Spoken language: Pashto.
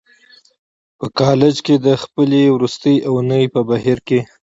په کالج کې د خپلې وروستۍ اونۍ په بهير کې.